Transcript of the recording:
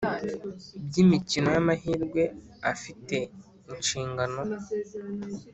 By imikino y amahirwe afite inshingano